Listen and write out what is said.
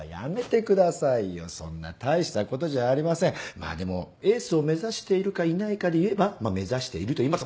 まあでもエースを目指しているかいないかでいえばまあ目指しているといいます。